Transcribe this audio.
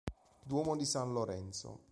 Duomo di San Lorenzo